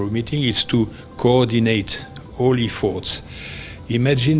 adalah untuk mengkoordinasi semua pertemuan